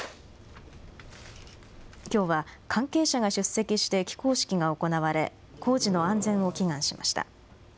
きょうは関係者が出席して起工式が行われ、工事の安全を祈願しました。